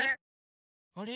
あれ？